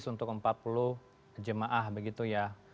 satu tenaga medis untuk empat puluh jemaah begitu ya